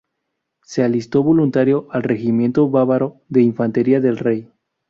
Se alistó voluntario al Regimiento bávaro de Infantería del Rey.